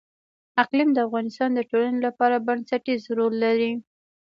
اقلیم د افغانستان د ټولنې لپاره بنسټيز رول لري.